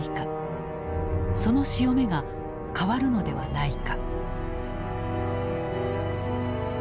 その潮目が変わるのではないか。